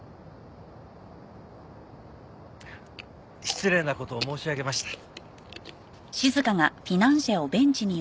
失礼な事を申し上げました。